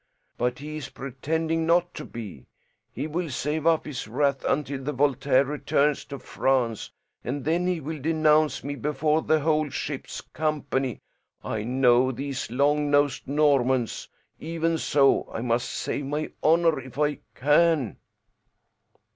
But he is pretending not to be. He will save up his wrath until the Voltaire returns to France, and then he will denounce me before the whole ship's company. I know these long nosed Normans. Even so, I must save my honor if I can."